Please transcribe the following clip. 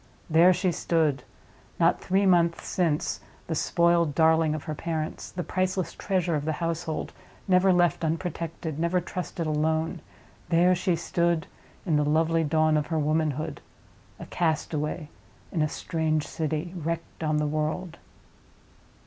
There she stood—not three months since the spoiled darling of her parents; the priceless treasure of the household, never left unprotected, never trusted alone—there she stood in the lovely dawn of her womanhood, a castaway in a strange city, wrecked on the world!